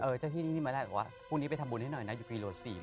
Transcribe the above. เจ้าที่ที่มาได้บอกว่าพรุ่งนี้ไปทำบุญให้หน่อยนะอยู่ปีโล๔